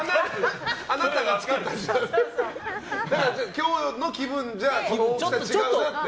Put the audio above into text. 今日の気分じゃこの大きさ違うなって？